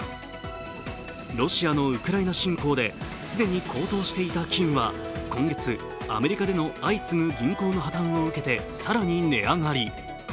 ロシアのウクライナ侵攻で既に高騰していた金は今月、アメリカでの相次ぐ銀行の破綻を受けて更に値上がり。